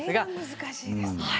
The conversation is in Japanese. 難しいですね。